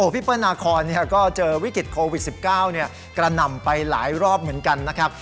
พี่เปิ้ลนาคอนก็เจอวิกฤตโควิด๑๙กระหน่ำไปหลายรอบเหมือนกันนะครับ